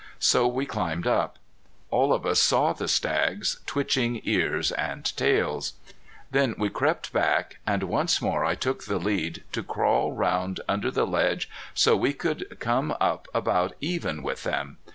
So we climbed up. All of us saw the stags, twitching ears and tails. Then we crept back, and once more I took the lead to crawl round under the ledge so we could come up about even with them.